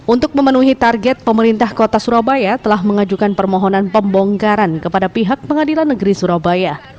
untuk memenuhi target pemerintah kota surabaya telah mengajukan permohonan pembongkaran kepada pihak pengadilan negeri surabaya